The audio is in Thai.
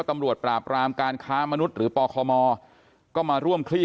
ตำรวจปราบรามการค้ามนุษย์หรือปคมก็มาร่วมคลี่